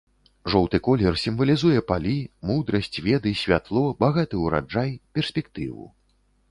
Жоўты колер сімвалізуе палі, мудрасць, веды, святло, багаты ураджай, перспектыву.